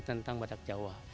tentang badak jawa